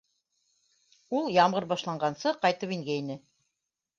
Ул ям ғыр башланғансы ҡайтып ингәйне